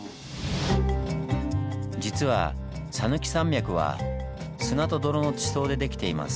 実は讃岐山脈は砂と泥の地層でできています。